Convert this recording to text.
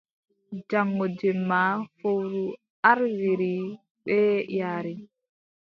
Jaŋgo jemma fowru ardiri bee yaare.